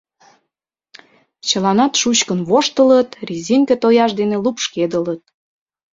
Чыланат шучкын воштылыт, резинке тояшт дене лупшкедылыт.